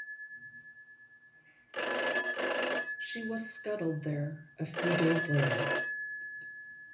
She was scuttled there a few days later.